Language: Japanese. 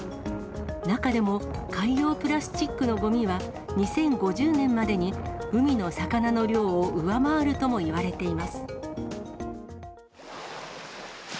中でも海洋プラスチックのごみは、２０５０年までに海の魚の量を上回るともいわれています。